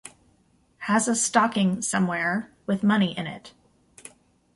Has a stocking somewhere, with money in it.